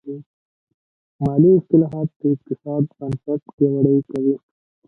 مالي اصلاحات د اقتصاد بنسټ پیاوړی کوي.